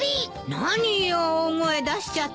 何よ大声出しちゃって。